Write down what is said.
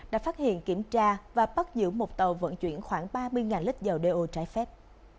đã phát hiện kiểm tra và bắt giữ một tàu vận chuyển khoảng ba mươi lít dầu đeo trái phép